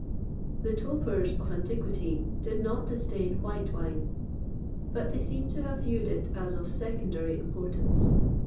The topers of antiquity did not disdain white wine, but they seem to have viewed it as of secondary importance.